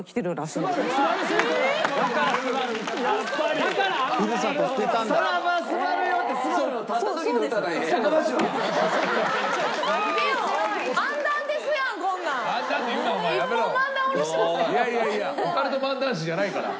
いやいやいやオカルト漫談師じゃないから。